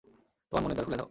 তোমার মনের দ্বার খুলে দাও!